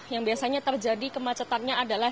yang biasanya terjadi kemacetannya adalah